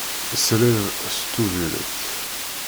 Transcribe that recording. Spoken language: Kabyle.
Srid seg Tubiret.